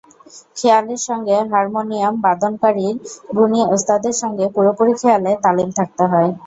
খেয়ালের সঙ্গে হারমোনিয়াম বাদনকারীর গুণী ওস্তাদের সঙ্গে পুরোপুরি খেয়ালে তালিম থাকতে হয়।